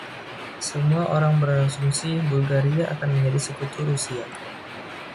Semua orang berasumsi Bulgaria akan menjadi sekutu Rusia.